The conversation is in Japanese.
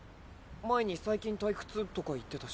前に最近退屈とか言ってたし。